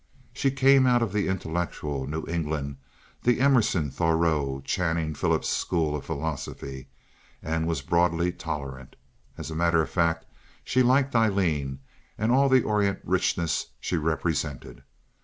She came out of intellectual New England—the Emerson Thoreau Channing Phillips school of philosophy—and was broadly tolerant. As a matter of fact, she liked Aileen and all the Orient richness she represented.